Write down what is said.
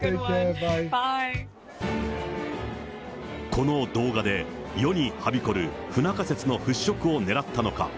この動画で、世にはびこる不仲説の払拭をねらったのか。